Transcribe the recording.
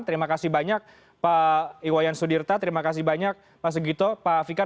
terima kasih banyak pak iwayan sudirta terima kasih banyak pak segito pak fikar